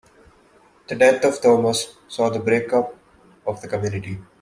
The death of Thomas saw the break-up of the community.